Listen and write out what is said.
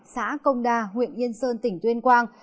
xã công đa huyện yên sơn tỉnh tuyên quang